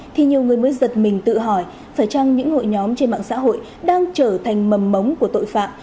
thì nhiều người mới giật mình tự hỏi phải chăng những hội nhóm trên mạng xã hội đang trở thành mầm mống của tội phạm